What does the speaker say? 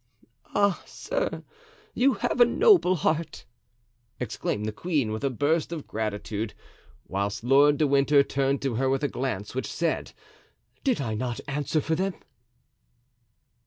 "Ah, sir, you have a noble heart!" exclaimed the queen, with a burst of gratitude; whilst Lord de Winter turned to her with a glance which said, "Did I not answer for them?"